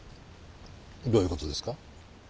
どういうことですか？